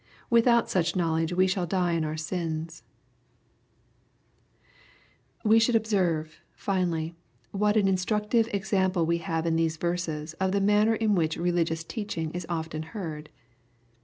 Without such knowledge we shall die in our sins. :18 IHLPOSITOBY THOUGHTS. We skjuld obeerve, finally, what an instructive exam ple we have in these verses of the manner in which relu gious teaching is often heard.